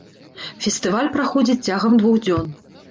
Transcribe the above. Фестываль праходзіць цягам двух дзён.